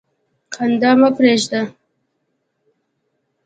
خندا مه پرېږده.